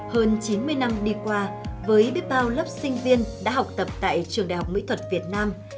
hơn chín mươi năm đi qua với biết bao lớp sinh viên đã học tập tại trường đại học mỹ thuật việt nam